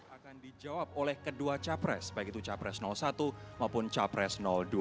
akan dijawab oleh kedua capres baik itu capres satu maupun capres dua